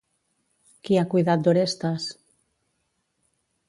Qui ha cuidat d'Orestes?